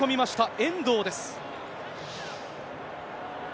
遠藤です。